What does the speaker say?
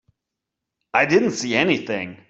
I didn't see anything.